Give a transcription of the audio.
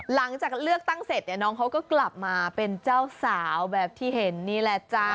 หลังจากเลือกตั้งเสร็จเนี่ยน้องเขาก็กลับมาเป็นเจ้าสาวแบบที่เห็นนี่แหละจ้า